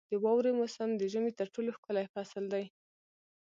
• د واورې موسم د ژمي تر ټولو ښکلی فصل دی.